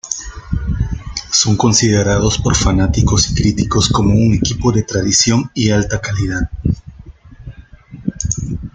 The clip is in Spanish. Son considerados por fanáticos y críticos como un equipo de tradición y alta calidad.